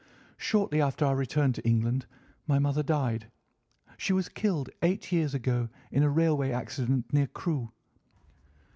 Shortly after our return to England my mother died—she was killed eight years ago in a railway accident near Crewe.